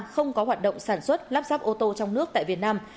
không có hoạt động sản xuất lắp ráp ô tô trong nước tại việt nam